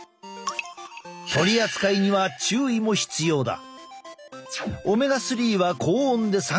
取り扱いには注意も必要だ。